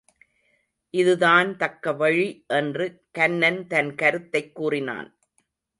இதுதான் தக்க வழி என்று கன்னன் தன் கருத்தைக் கூறினான்.